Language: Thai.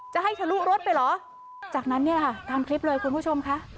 จะให้ทะลุรถไปเหรอจากนั้นเนี่ยค่ะตามคลิปเลยคุณผู้ชมค่ะ